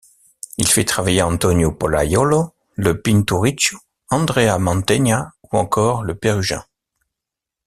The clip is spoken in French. Il fait travailler Antonio Pollaiolo, le Pinturicchio, Andrea Mantegna ou encore le Pérugin.